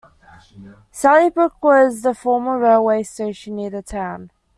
Sallybrook was the former railway station near the town.